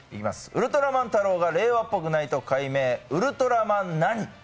ウルトラマンタロウが令和っぽくないと改名、ウルトラマン○○。